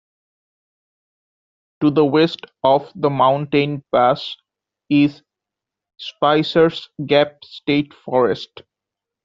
To the west of the mountain pass is Spicers Gap State Forest.